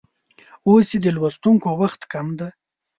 اوس چې د لوستونکو وخت کم دی